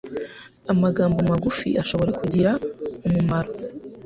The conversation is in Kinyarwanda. Amagambo magufi ashobora kugira umumaro